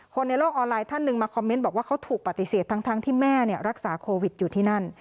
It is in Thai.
ในโลกออนไลน์ท่านหนึ่งมาคอมเมนต์บอกว่าเขาถูกปฏิเสธทั้งที่แม่รักษาโควิดอยู่ที่นั่น